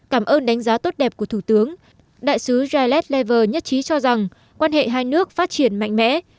cảm ơn đánh giá tốt đẹp của thủ tướng đại sứ gillette lever nhất trí cho rằng quan hệ hai nước phát triển mạnh mẽ